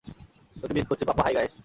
তোমাকে মিস করছি papa- hi guys!